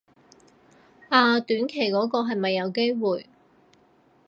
啊短期嗰個係咪有機會